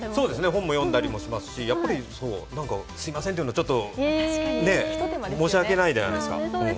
本も読んだりもしますしすいませんと言うのちょっと申し訳ないじゃないですか。